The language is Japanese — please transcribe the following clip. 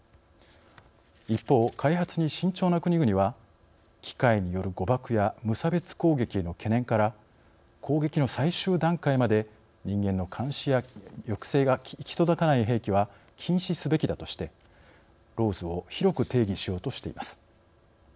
一方開発に慎重な国々は機械による誤爆や無差別攻撃への懸念から攻撃の最終段階まで人間の監視や抑制が行き届かない兵器は禁止すべきだとしてＬＡＷＳを広く定義しようとしています。